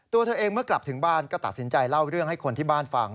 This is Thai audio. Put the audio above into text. ตัวเธอเองเมื่อกลับถึงบ้านก็ตัดสินใจเล่าเรื่องให้คนที่บ้านฟัง